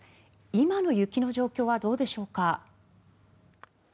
今の雪の状況はどうでしょうか。